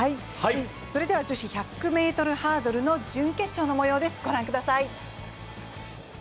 それでは女子１００ｍハードルの準決勝のもようです。